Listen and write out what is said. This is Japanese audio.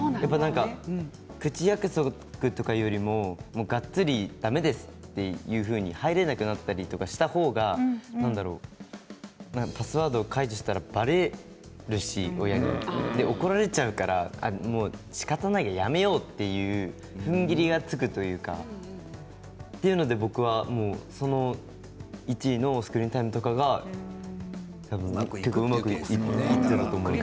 口約束とかいうよりもがっつりだめですっていうふうに入れなくなったりとかした方がパスワードを解除したらばれるし親に怒られちゃうからしかたがないからやめようというふんぎりがつくというかというので僕は１位のスクリーンタイムとかがうまくいってました。